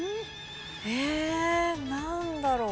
え何だろう？